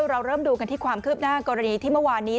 เราเริ่มดูกันที่ความคืบหน้ากรณีที่เมื่อวานนี้